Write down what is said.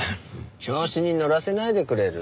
調子に乗らせないでくれる？